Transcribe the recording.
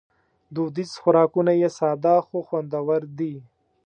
دودیز خوراکونه یې ساده خو خوندور دي.